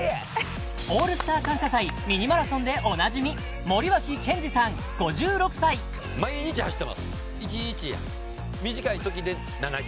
「オールスター感謝祭」ミニマラソンでおなじみぐらい走ってますよ